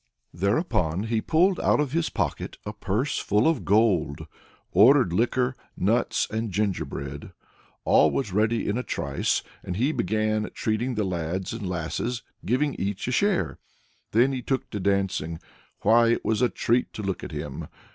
Thereupon he pulled out of his pocket a purse full of gold, ordered liquor, nuts and gingerbread. All was ready in a trice, and he began treating the lads and lasses, giving each a share. Then he took to dancing. Why, it was a treat to look at him!